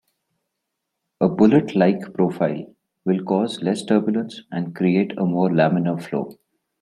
A bullet-like profile will cause less turbulence and create a more laminar flow.